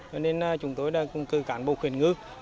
cho nên chúng tôi đã cung cư cản bộ khuyến ngữ